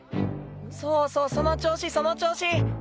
そうそう、その調子、その調子。